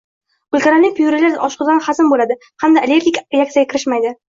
Gulkaramli pyurelar oson hazm bo‘ladi hamda allergik reaksiyaga kirishmaydi